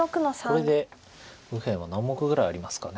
これで右辺は何目ぐらいありますか。